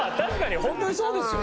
ホントにそうですよね。